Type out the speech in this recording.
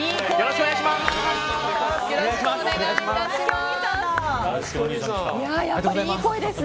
よろしくお願いします！